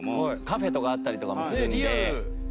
カフェとかあったりとかもするんで。